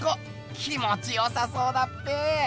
気もちよさそうだっぺ。